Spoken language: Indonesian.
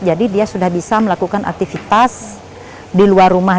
jadi dia sudah bisa melakukan aktivitas di luar rumah